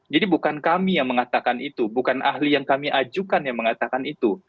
jadi bukan kami yang mengatakan itu bukan ahli yang kami ajukan yang mengatakan itu